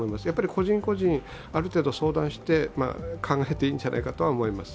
個人個人、ある程度、相談して考えていいんじゃないかと思います。